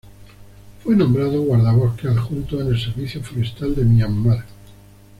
Fue nombrado Guardabosques Adjunto en el Servicio Forestal de Myanmar.